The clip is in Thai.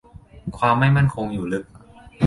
ความไม่มั่นคงอยู่ลึก